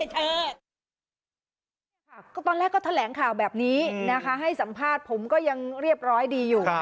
ตอนแรกก็แถลงข่าวแบบนี้นะคะให้สัมภาษณ์ผมก็ยังเรียบร้อยดีอยู่